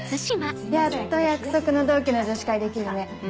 やっと約束の同期の女子会できるね。